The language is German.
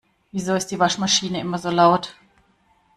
Wieso ist die Waschmaschine immer so laut?